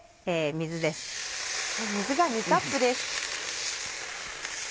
水が２カップです。